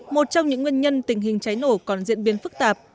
một trong những nguyên nhân tình hình cháy nổ còn diễn biến phức tạp